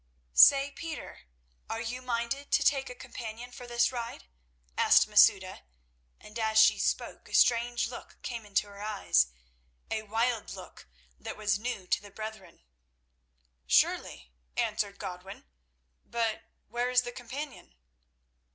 "Say, Peter, are you minded to take a companion for this ride?" asked Masouda; and as she spoke a strange look came into her eyes, a wild look that was new to the brethren. "Surely," answered Godwin, "but where is the companion?"